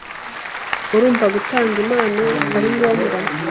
Urumva gutanga impano ari ngombwa?